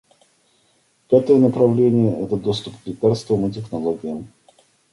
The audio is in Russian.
Пятое направление — это доступ к лекарствам и технологиям.